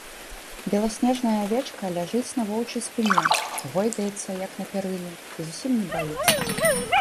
Беласнежная авечка ляжыць на воўчай спіне, гойдаецца, як на пярыне, і зусім не баіцца.